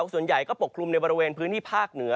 ส่วนใหญ่ก็ปกคลุมในบริเวณพื้นที่ภาคเหนือ